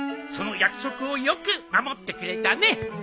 その約束をよく守ってくれたね。